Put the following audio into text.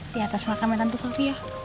di atas makanan tante sofia